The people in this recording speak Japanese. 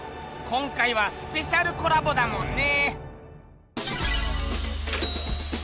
今回はスペシャルコラボだもんね。